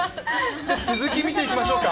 続き見ていきましょうか。